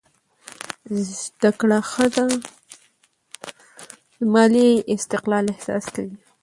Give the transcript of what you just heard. زده کړه ښځه د مالي استقلال احساس کوي.